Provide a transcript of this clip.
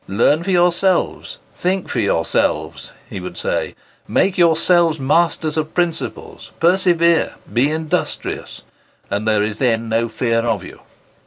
"Learn for yourselves,—think for yourselves," he would say:—"make yourselves masters of principles,—persevere,—be industrious,—and there is then no fear of you."